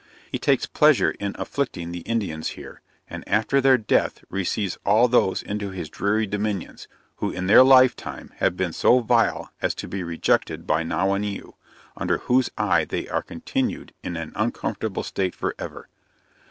He takes pleasure in afflicting the Indians here, and after their death receives all those into his dreary dominions, who in their life time have been so vile as to be rejected by Nauwaneu, under whose eye they are continued in an uncomfortable state forever.